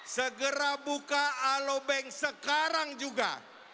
segera buka alobank sekarang juga